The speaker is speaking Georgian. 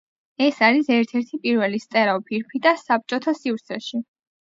ეს არის ერთ-ერთი პირველი სტერეო ფირფიტა საბჭოთა სივრცეში.